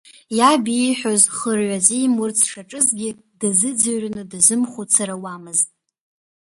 Иаб ииҳәоз хырҩ азимурц дшаҿызгьы, дазыӡрыҩны дазымхәыцыр ауамызт.